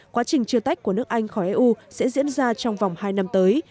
quá trình chia tách của nước anh khỏi eu sẽ diễn ra trong vòng hai năm tới